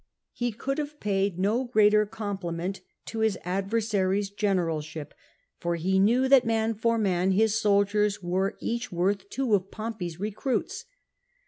He could have paid no greater compliment to his adversary's generalship, for he knew that man for man his soldiers were each worth two of Pompey's recruits.